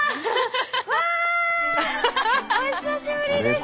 うわ！お久しぶりです。